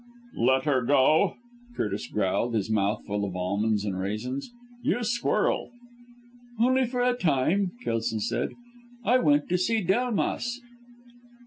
"Let her go!" Curtis growled, his mouth full of almonds and raisins. "You squirrel!" "Only for a time," Kelson said, "I went to see Delmas!"